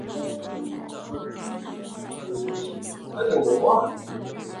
台湾光泽烟管蜗牛为烟管蜗牛科台湾烟管蜗牛属下的一个种。